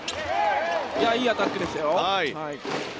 いいアタックですよ。